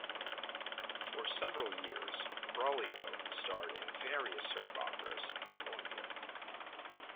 For several years, Braulio starred in various soap operas in Colombia.